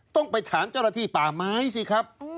ต้องไปถามเจ้าหน้าที่ป่าไม้สิครับ